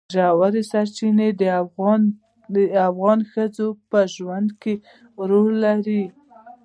ژورې سرچینې د افغان ښځو په ژوند کې رول لري.